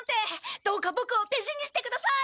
どうかボクをでしにしてください！